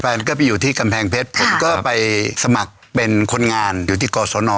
แฟนก็ไปอยู่ที่กำแพงเพชรผมก็ไปสมัครเป็นคนงานอยู่ที่กศน